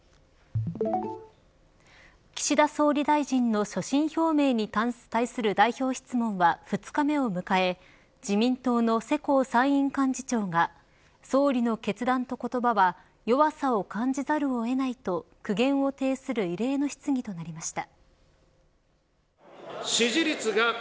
岸田総理大臣の所信表明に対する代表質問は２日目を迎え自民党の世耕参院幹事長が総理の決断と言葉は弱さを感じざるを得ないと苦言を呈する異例の質疑となりました。